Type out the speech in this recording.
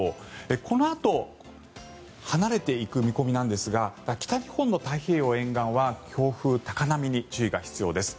このあと離れていく見込みなんですが北日本の太平洋沿岸は強風、高波に注意が必要です。